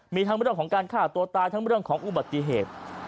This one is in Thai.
มีทั้งเรื่องของการฆ่าตัวตายทั้งเรื่องของอุบัติเหตุ